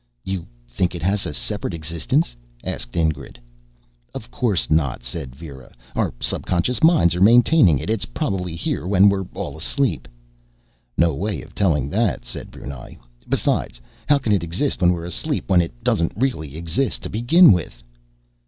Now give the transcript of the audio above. "You think it has a separate existence?" asked Ingrid. "Of course not," said Vera. "Our subconscious minds are maintaining it. It's probably here when we're all asleep." "No way of telling that," said Brunei. "Besides, how can it exist when we're asleep, when it doesn't really exist to begin with?"